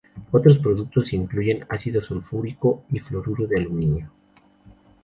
Otros productos incluyen ácido sulfúrico y fluoruro de aluminio.